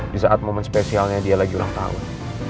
di saat momen spesialnya dia lagi ulang tahun